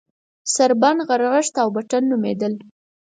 سړبن، غرغښت او بټن نومېدل.